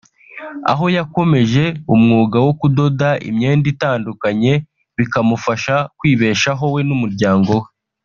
aho yakomereje umwuga wo kudoda imyenda itandukanye bikamufasha kwibeshaho we n’umuryango we